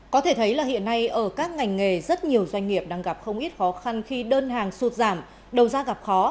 có thể thấy là hiện nay ở các ngành nghề rất nhiều doanh nghiệp đang gặp không ít khó khăn khi đơn hàng sụt giảm đầu ra gặp khó